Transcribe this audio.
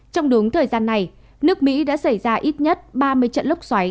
trong đúng thời gian này nước mỹ đã xảy ra ít nhất ba mươi trận lốc xoáy